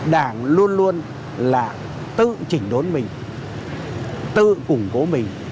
đảng luôn luôn là tự chỉnh đốn mình tự củng cố mình